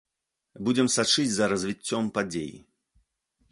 Будзем сачыць за развіццём падзей.